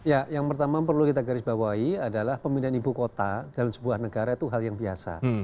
ya yang pertama perlu kita garis bawahi adalah pemindahan ibu kota dalam sebuah negara itu hal yang biasa